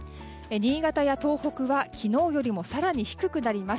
新潟や東北は昨日よりも更に低くなります。